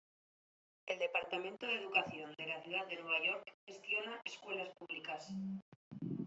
El Departamento de Educación de la Ciudad de Nueva York gestiona escuelas públicas.